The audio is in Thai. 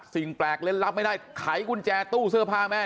สิ่งแปลกเล่นรับไม่ได้ไขกุญแจตู้เสื้อผ้าแม่